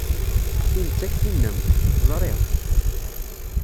Tin d takti-nnem. Ẓriɣ.